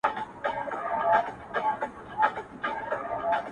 تیاره پر ختمېده ده څوک به ځي څوک به راځي-